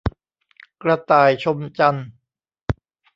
กระต่ายชมจันทร์